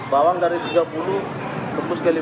bawang dari tiga puluh tembus ke lima puluh